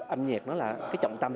âm nhạc nó là cái trọng tâm